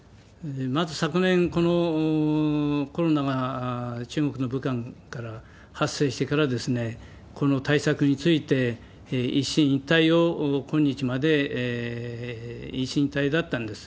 まず昨年、このコロナが中国の武漢から発生してから、この対策について一進一退を、今日まで一進一退だったんです。